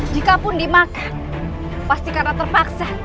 jikapun dimakan pasti karena terpaksa